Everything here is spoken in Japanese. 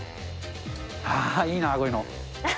いいなー、こういうの。